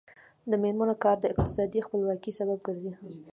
د میرمنو کار د اقتصادي خپلواکۍ سبب ګرځي.